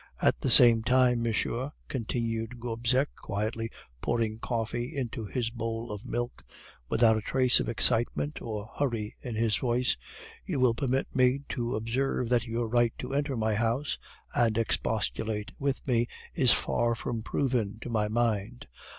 At the same time, monsieur,' continued Gobseck, quietly pouring coffee into his bowl of milk, without a trace of excitement or hurry in his voice, 'you will permit me to observe that your right to enter my house and expostulate with me is far from proven to my mind.